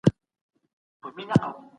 مشران کله نړیوالي شخړي پای ته رسوي؟